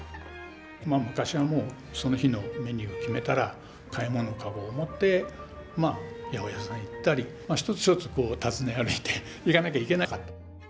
昔はもうその日のメニューを決めたら買い物カゴを持って八百屋さん行ったり一つ一つこう訪ね歩いて行かなきゃいけなかった。